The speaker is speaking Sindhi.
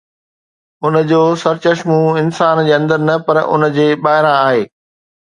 ان جو سرچشمو انسان جي اندر نه، پر ان جي ٻاهران آهي.